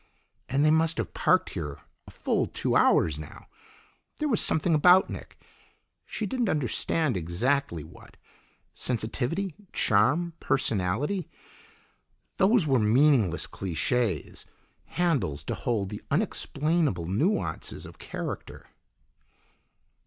And they must have parked here a full two hours now. There was something about Nick she didn't understand exactly what; sensitivity, charm, personality. Those were meaningless cliches, handles to hold the unexplainable nuances of character.